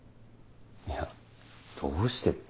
いや「どうして？」